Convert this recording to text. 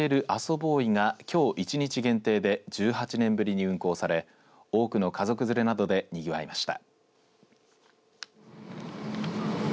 ＢＯＹがきょう一日限定で１８年ぶりに運行され多くの家族連れなどでにぎわいました。